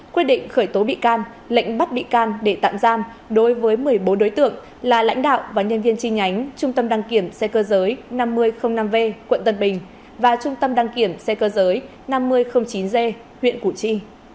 quyết định khởi tố bị can lệnh bắt bị can để tạm giam đối với một mươi bốn đối tượng là lãnh đạo và nhân viên chi nhánh trung tâm đăng kiểm xe cơ giới năm nghìn năm v quận tân bình và trung tâm đăng kiểm xe cơ giới năm nghìn chín g huyện củ chi